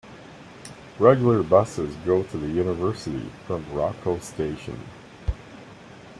Regular buses go to the university from Rokko station.